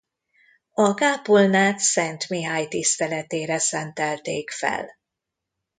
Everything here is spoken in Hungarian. A kápolnát Szent Mihály tiszteletére szentelték fel.